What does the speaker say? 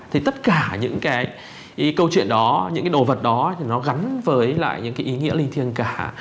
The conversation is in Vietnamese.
thì tất cả những cái câu chuyện đó những cái đồ vật đó thì nó gắn với lại những cái ý nghĩa linh thiêng cả